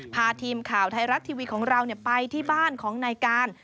พาทีมข่าวไทยรัฐทีวีของเราไปที่บ้านของนายการ